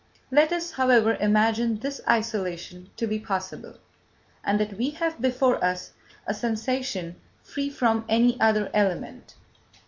Let us, however, imagine this isolation to be possible, and that we have before us a sensation free from any other element.